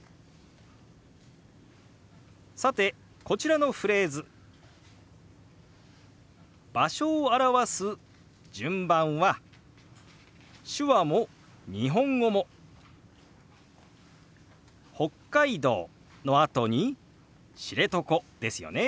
さてこちらのフレーズ場所を表す順番は手話も日本語も「北海道」のあとに「知床」ですよね。